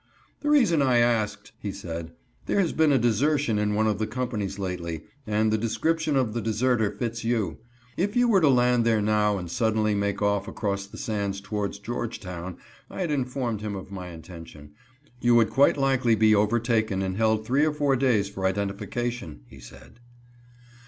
"The reason I asked," he said, "there has been a desertion in one of the companies lately, and the description of the deserter fits you. If you were to land there now and suddenly make off across the sands towards Georgetown I had informed him of my intention you would quite likely be overtaken and held three or four days for identification," he said.